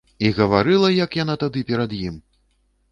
І гаварыла як яна тады перад ім!